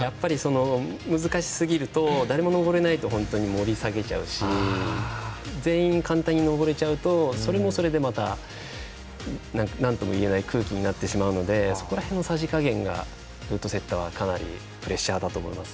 難しすぎると誰も登れないと本当に盛り下げちゃうし全員が簡単に登れちゃうとそれもそれで、またなんともいえない空気になってしまうのでそこら辺のさじ加減がルートセッターはかなりプレッシャーだと思います。